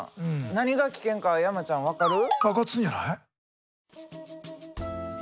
何が危険か山ちゃん分かる？